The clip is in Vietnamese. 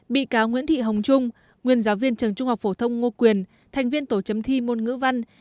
bị cáo nguyễn thị hồng trung nguyên giáo viên trường trung học phổ thông ngô quyền thành viên tổ chấm thi môn ngữ văn